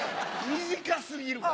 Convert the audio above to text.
短過ぎるから。